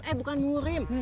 eh bukan ngurim